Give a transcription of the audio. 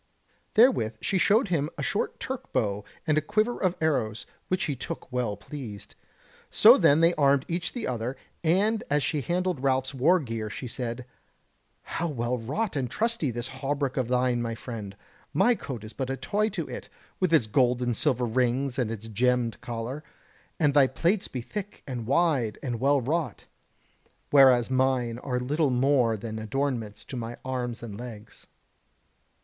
Therewith she showed him a short Turk bow and a quiver of arrows, which he took well pleased. So then they armed each the other, and as she handled Ralph's wargear she said: "How well wrought and trusty is this hauberk of thine, my friend; my coat is but a toy to it, with its gold and silver rings and its gemmed collar: and thy plates be thick and wide and well wrought, whereas mine are little more than adornments to my arms and legs."